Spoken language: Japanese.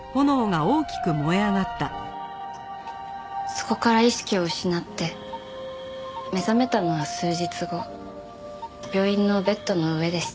そこから意識を失って目覚めたのは数日後病院のベッドの上でした。